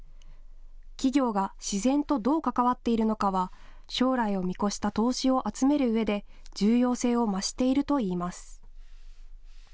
企業が自然とどう関わっているのかは将来を見越した投資を集めるうえで重要性を増しているといいます。